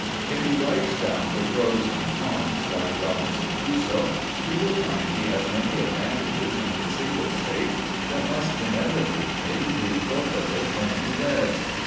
If he writes down the "pros" and "cons," like Robinson Crusoe, he will find he has many advantages in his single state that must inevitably be forfeited when he weds.